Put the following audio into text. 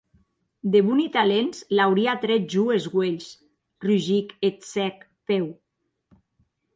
De boni talents l’auria trèt jo es uelhs, rugic eth cèc Pew.